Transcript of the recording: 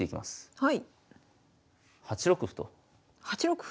はい。